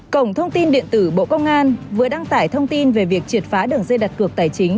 cổng thông tin điện tử bộ công an vừa đăng tải thông tin về việc triệt phá đường dây đặt cược tài chính